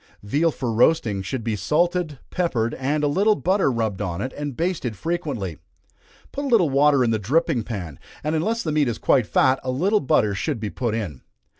Veal for roasting should be salted, peppered, and a little butter rubbed on it, and basted frequently. Put a little water in the dripping pan, and unless the meat is quite fat, a little butter should be put in.